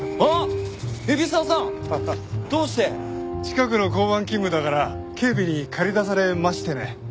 近くの交番勤務だから警備に駆り出されましてね。